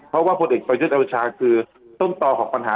เพราะว่าพลเอกประยุทธ์โอชาคือต้นต่อของปัญหา